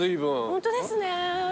ホントですね。